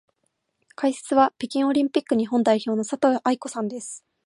解説は北京オリンピック日本代表の佐藤愛子さんです。